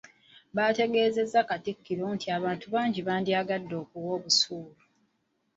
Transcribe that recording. Baategeezezza Katikkiro nti abantu bangi bandyagadde okuwa obusuulu.